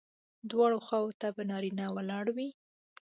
دواړو خواوو ته به نارینه ولاړ وي.